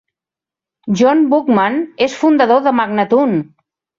John Buckman és fundador de Magnatune.